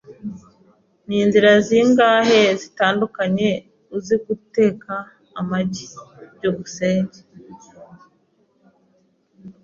Ni inzira zingahe zitandukanye uzi guteka amagi? byukusenge